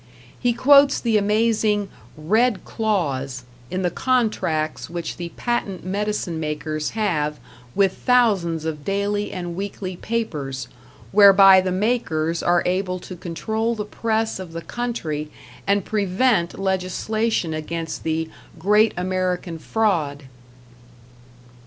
He quotes the amazing "Red Clause" in the contracts which the patent medicine makers have with thousands of daily and weekly papers, whereby the makers are able to control the press of the country and prevent legislation against the "Great American Fraud."